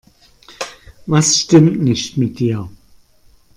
Was stimmt nicht mit dir?